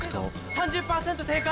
３０％低下！